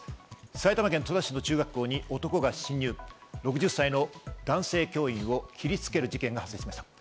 埼玉県戸田市の中学校に男が侵入、６０歳の男性教員を切りつける事件が発生しました。